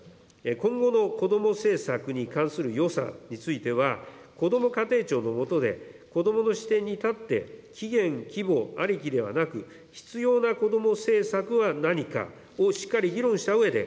今後の子ども政策に関する予算については、こども家庭庁の下で、子どもの視点に立って、期限規模ありきではなく、必要な子ども政策は何かをしっかり議論したうえで、